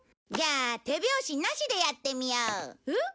じゃあ手拍子なしでやってみよう。